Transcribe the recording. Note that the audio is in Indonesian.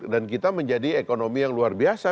dan kita menjadi ekonomi yang luar biasa